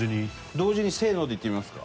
同時に「せーの」で言ってみますか。